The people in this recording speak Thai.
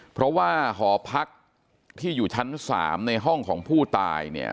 เพราะว่าหอพักที่อยู่ชั้น๓ในห้องของผู้ตายเนี่ย